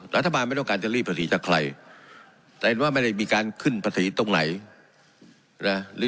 รัฐบาลไม่ต้องการจะรีดภาษีจากใครแต่เห็นว่าไม่ได้มีการขึ้นภาษีตรงไหนนะ